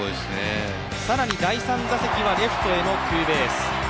更に第３打席はレフトへのツーベース。